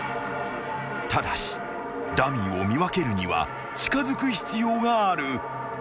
［ただしダミーを見分けるには近づく必要がある］